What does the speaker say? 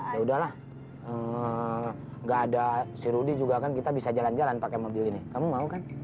ya udahlah nggak ada si rudy juga kan kita bisa jalan jalan pakai mobil ini kamu mau kan